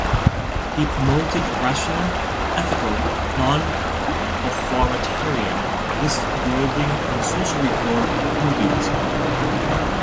He promoted a rational, ethical, non-authoritarian, this-worldly, and social-reform Hinduism.